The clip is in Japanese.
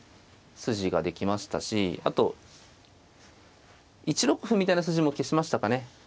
筋ができましたしあと１六歩みたいな筋も消しましたかね。